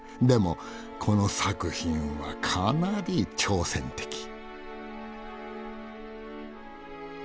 でもこの作品はかなり挑戦的。